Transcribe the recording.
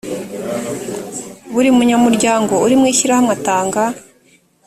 buri munyamuryango uri mu ishyirahamwe atanga